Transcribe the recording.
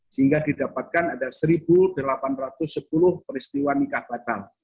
sehingga didapatkan ada satu delapan ratus sepuluh peristiwa nikah batal